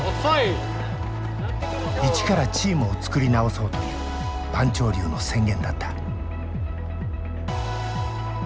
一からチームを作り直そうという番長流の宣言だった。